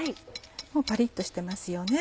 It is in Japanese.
パリっとしてますよね